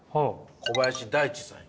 小林大地さんや。